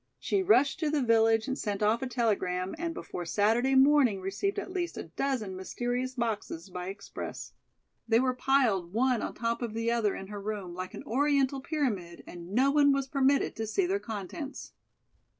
She rushed to the village and sent off a telegram and before Saturday morning received at least a dozen mysterious boxes by express. They were piled one on top of the other in her room like an Oriental pyramid and no one was permitted to see their contents.